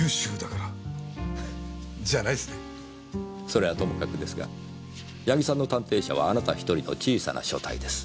それはともかくですが矢木さんの探偵社はあなた一人の小さな所帯です。